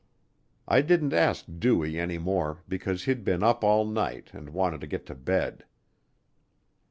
I didn't ask Dewey any more because he'd been up all night and wanted to get to bed.